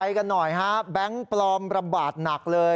กันหน่อยฮะแบงค์ปลอมระบาดหนักเลย